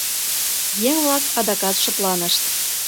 Еҥ-влак адакат шыпланышт.